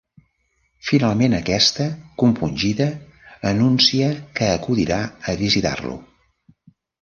Finalment aquesta, compungida, anuncia que acudirà a visitar-lo.